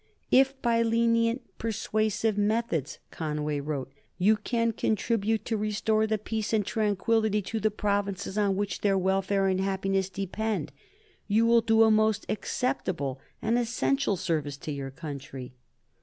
"If by lenient persuasive methods," Conway wrote, "you can contribute to restore the peace and tranquillity to the provinces on which their welfare and happiness depend, you will do a most acceptable and essential service to your country."